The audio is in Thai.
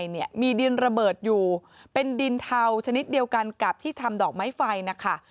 เนี่ยมีดินระเบิดอยู่เป็นดินเทาชนิดเดียวกันกับที่ทำดอกไม้ไฟนะคะ